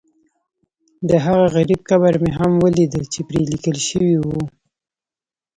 دهغه غریب قبر مې هم ولیده چې پرې لیکل شوي و.